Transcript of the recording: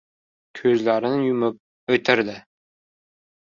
Ko‘zlarini yumib o‘tirdi.